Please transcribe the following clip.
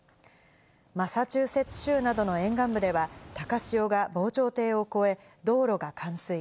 マサチューセッツ州などの沿岸部では、高潮が防潮堤を越え、道路が冠水。